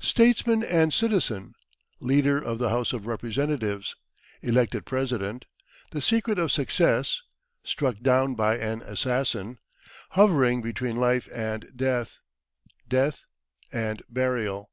Statesman and Citizen Leader of the House of Representatives Elected President The Secret of Success Struck down by an Assassin Hovering between Life and Death Death and Burial.